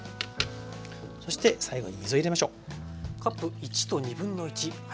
そして最後に水を入れましょう。